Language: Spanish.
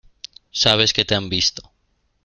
sabes que te han visto.